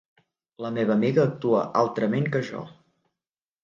La meva amiga actua altrament que jo.